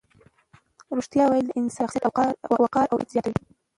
ریښتیا ویل د انسان د شخصیت وقار او عزت زیاتوي.